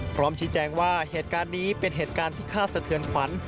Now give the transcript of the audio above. พร้อมชี้แจงว่าเหตุการณ์นี้เป็นเหตุการณ์ที่ฆ่าสะเทือนขวัญ